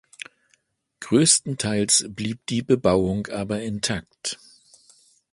Größtenteils blieb die Bebauung aber intakt.